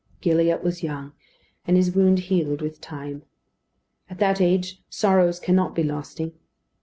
Gilliatt was young; and his wound healed with time. At that age sorrows cannot be lasting.